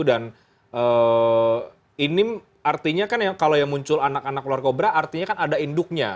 dan ini artinya kan kalau yang muncul anak anak ular kobra artinya kan ada induknya